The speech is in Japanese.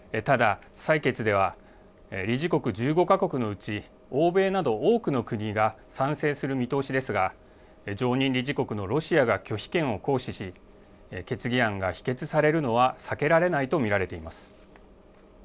ただ、採決では、理事国１５か国のうち、欧米など多くの国が賛成する見通しですが、常任理事国のロシアが拒否権を行使し、決議案が否決されるのは避けられないと見られています。